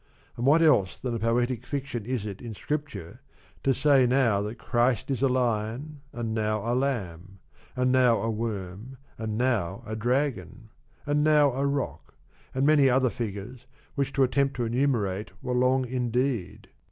And what else than a poetic fiction is it in Scripture to say now that Christ is a lion, and now a lamb, and now a worm, and now a dragon, and now a rock, and many other figures which to attempt to enumerate were long indeed?